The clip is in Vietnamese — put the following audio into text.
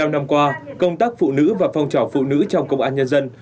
năm năm qua công tác phụ nữ và phong trỏ phụ nữ trong công an nhân dân